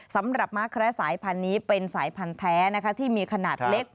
ม้าแคระสายพันธุ์นี้เป็นสายพันธุ์แท้ที่มีขนาดเล็ก